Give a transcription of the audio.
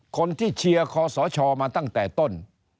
คนที่เชียร์คอสชมาตั้งแต่ต้น